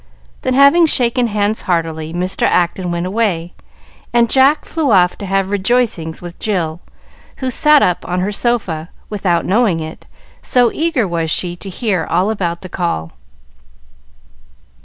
Then, having shaken hands heartily, Mr. Acton went away, and Jack flew off to have rejoicings with Jill, who sat up on her sofa, without knowing it, so eager was she to hear all about the call.